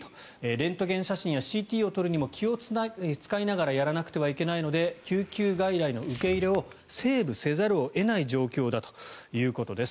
レントゲン写真やＣＴを撮るにも気を使いながらやらなくてはいけないので救急外来の受け入れをセーブせざるを得ない状況だということです。